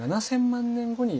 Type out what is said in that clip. ７，０００万年後に。